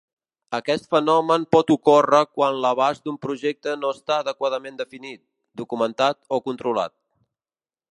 Aquest fenomen pot ocórrer quan l'abast d'un projecte no està adequadament definit, documentat o controlat.